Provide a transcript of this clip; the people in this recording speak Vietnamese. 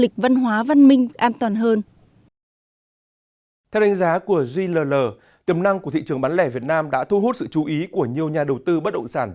do ảnh hưởng của dịch virus corona